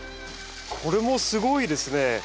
これもすごいですね。